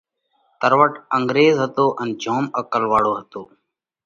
تروٽ انڳريز هتو ان جوم عقل واۯو هتو۔